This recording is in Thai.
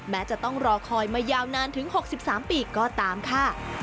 แม้จะต้องรอคอยมายาวนานถึง๖๓ปีก็ตามค่ะ